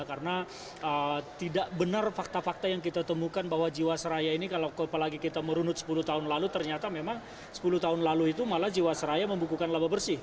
karena tidak benar fakta fakta yang kita temukan bahwa jiwasraya ini kalau apalagi kita merunut sepuluh tahun lalu ternyata memang sepuluh tahun lalu itu malah jiwasraya membukukan laba bersih